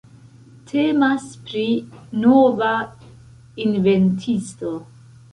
Temas pri nova inventisto.